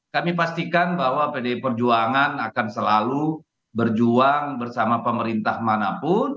kami pastikan bahwa pdi perjuangan akan selalu berjuang bersama pemerintah manapun